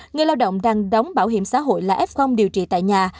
người lao động đang đóng bảo hiểm xã hội là f điều trị tại nhà